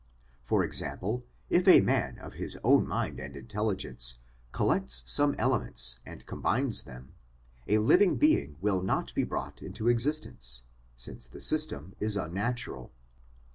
For example, if a man of his own mind and intelligence collects some elements and combines them, a living being will not be brought into existence, since the system is unnatural.